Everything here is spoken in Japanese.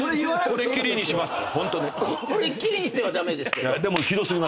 これっきりにしては駄目ですけど。